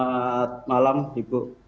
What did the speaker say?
selamat malam ibu